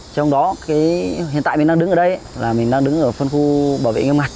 trong đó hiện tại mình đang đứng ở đây là mình đang đứng ở phân khu bảo vệ nghiêm ngặt